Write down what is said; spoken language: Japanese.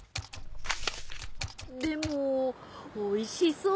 でもおいしそう。